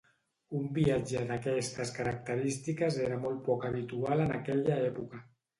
Un viatge d'aquestes característiques era molt poc habitual en aquella època.